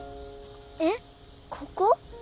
えっここ？